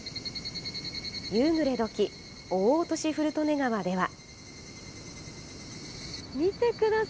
夕暮れ時、大落古利根川では。